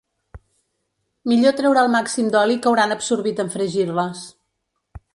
Millor treure el màxim d’oli que hauran absorbit en fregir-les.